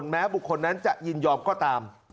แม้บุคคลนั้นจะยินยอมก็ตาม